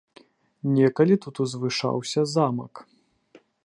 Некалі тут узвышаўся замак.